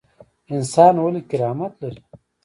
انسان ولې کرامت لري؟